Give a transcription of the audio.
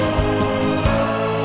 aku akan mencintai kamu